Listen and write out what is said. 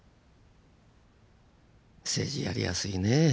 政治やりやすいね。